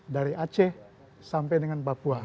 dari aceh sampai dengan papua